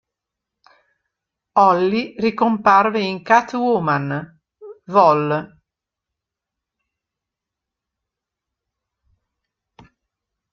Holly ricomparve in "Catwoman" vol.